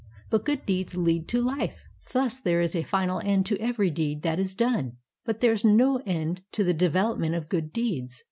But good deeds lead to life. Thus there is a final end to every deed that is done, but there is no end to the development of good deeds.